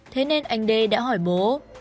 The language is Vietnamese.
thế nên anh dê đã hỏi bố